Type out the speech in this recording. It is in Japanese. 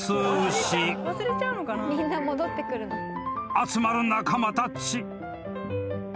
［集まる仲間たち］